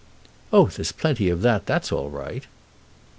"Oh there's plenty of that. That's all right!"